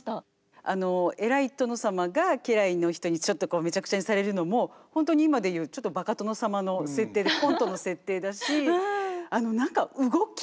あの偉い殿様が家来の人にちょっとめちゃくちゃにされるのもホントに今で言うちょっとバカ殿様の設定でコントの設定だしあの何か動き？